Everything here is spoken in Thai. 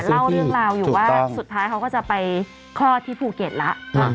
พรุ่งนี้กลับมาเจอกันใหม่ครับ